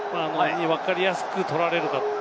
わかりやすく取られるか。